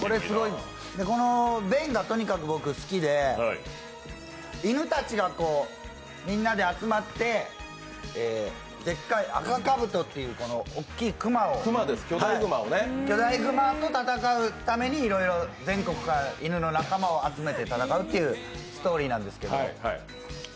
ベンがとにかく好きで、犬たちがみんなで集まってでっかい赤カブトっていう巨大熊と戦うためにいろいろ全国から犬の仲間を集めて戦うというストーリーなんですけども。